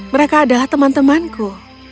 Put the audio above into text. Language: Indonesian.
mereka adalah teman temanku